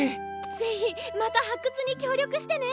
ぜひまた発掘に協力してね！